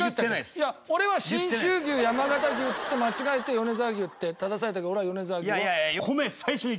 いや俺は信州牛山形牛っつって間違えて米沢牛って正されたから俺は米沢牛を。